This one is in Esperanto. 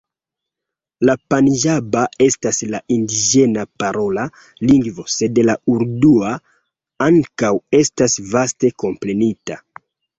La panĝaba estas la indiĝena parola lingvo, sed la urdua ankaŭ estas vaste komprenita.